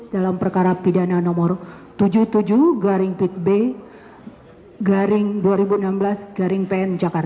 dalam perkara pidana nomor tujuh puluh tujuh b garing dua ribu enam belas garing pn jakarta